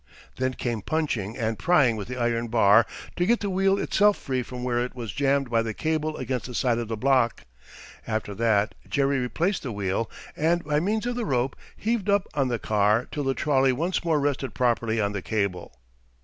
Then came punching and prying with the iron bar to get the wheel itself free from where it was jammed by the cable against the side of the block. After that Jerry replaced the wheel, and by means of the rope, heaved up on the car till the trolley once more rested properly on the cable.